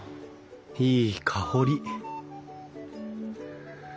いい香り！